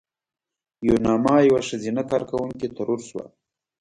یوناما یوه ښځینه کارکوونکې ترور شوه.